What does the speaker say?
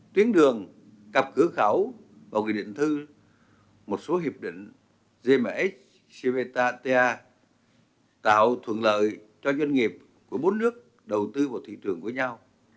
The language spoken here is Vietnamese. tuyến đường cặp cửa khẩu vào nghị định thư một số hiệp định gms cvta tạo thuận lợi cho doanh nghiệp của bốn nước đầu tư vào thị trường của nhau